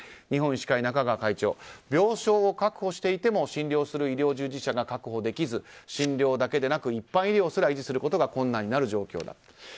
日本医師会、中川会長は病床を確保していても診療する医療従事者が確保できず診療だけでなく一般医療すら維持することが困難になる状況だと。